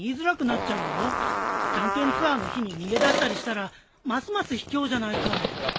探検ツアーの日に逃げ出したりしたらますますひきょうじゃないか。